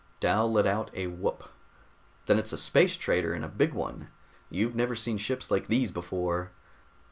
Dal let out a whoop. "Then it's a space trader, and a big one. You've never seen ships like these before."